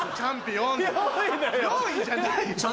４位じゃない！